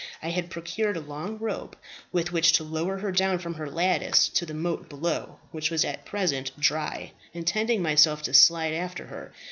I had procured a long rope with which to lower her down from her lattice to the moat below, which was at present dry, intending myself to slide after her.